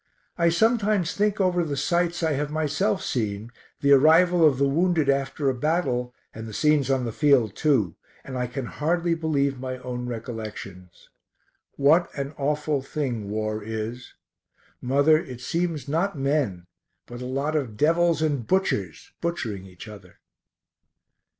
I sometimes think over the sights I have myself seen, the arrival of the wounded after a battle, and the scenes on the field too, and I can hardly believe my own recollections. What an awful thing war is! Mother, it seems not men but a lot of devils and butchers butchering each other.